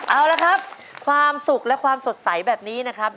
เอาละครับความสุขและความสดใสแบบนี้นะครับ